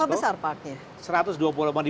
seberapa besar parknya